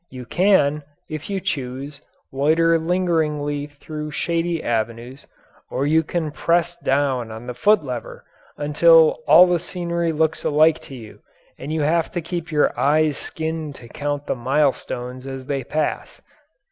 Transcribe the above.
You can if you choose loiter lingeringly through shady avenues or you can press down on the foot lever until all the scenery looks alike to you and you have to keep your eyes skinned to count the milestones as they pass.